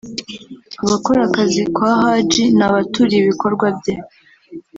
Abakora akazi kwa Haji ni abaturiye ibikorwa bye